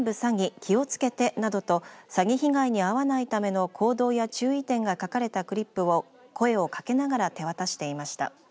気をつけて！などと詐欺被害に遭わないための行動や注意点が書かれたクリップを声をかけながら手渡していました。